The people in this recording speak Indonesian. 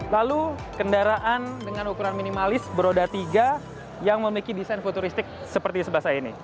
lalu kendaraan dengan ukuran minimalis beroda tiga yang memiliki desain futuristik seperti sebelah saya ini